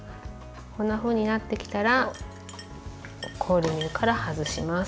こんなふうになってきたら氷水から外します。